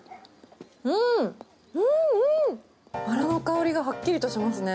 うん、バラの香りがはっきりとしますね！